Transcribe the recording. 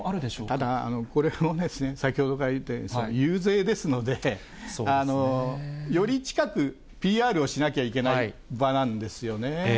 ただこれも、先ほどから言っているように、遊説ですので、より近くＰＲをしなきゃいけない場なんですよね。